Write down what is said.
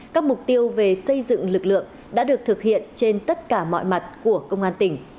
các mục tiêu về xây dựng lực lượng đã được thực hiện trên tất cả mọi mặt của công an tỉnh